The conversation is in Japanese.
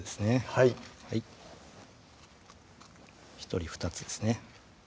はい１人２つですね